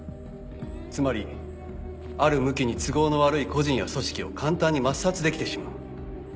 つまりある向きに都合の悪い個人や組織を簡単に抹殺できてしまう。